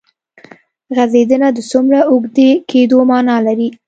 غځېدنه د څومره اوږدې کېدو معنی لري.